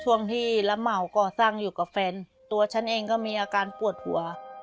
ช่วงที่รับเหมาก่อสร้างอยู่กับแฟนตัวฉันเองก็มีอาการปวดหัว